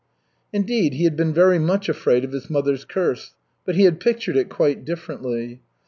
Indeed, he had been very much afraid of his mother's curse but he had pictured it quite differently.